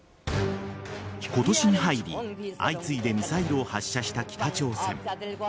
今年に入り、相次いでミサイルを発射した北朝鮮。